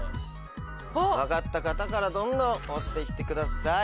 分かった方からどんどん押して行ってください。